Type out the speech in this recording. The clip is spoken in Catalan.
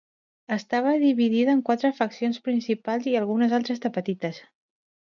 Estava dividida en quatre faccions principals i algunes altres de petites.